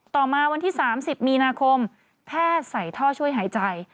ต่อมาวันที่๓๐มีนาคมแพทย์ใส่ท่อช่วยหายใจ